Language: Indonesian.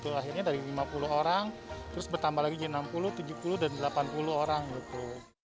teman yang kita temui gitu lah ini dari lima puluh orang terus bertambah lagi enam puluh tujuh puluh dan delapan puluh orang gitu